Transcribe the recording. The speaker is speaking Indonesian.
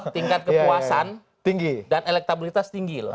tingkat kepuasan dan elektabilitas tinggi loh